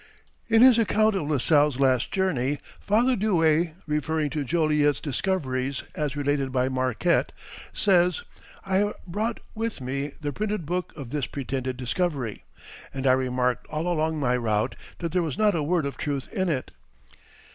In his account of La Salle's last journey, Father Douay, referring to Joliet's discoveries as related by Marquette, says: "I have brought with me the printed book of this pretended discovery, and I remarked all along my route that there was not a word of truth in it."